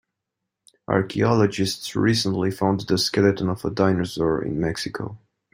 Archaeologists recently found the skeleton of a dinosaur in Mexico.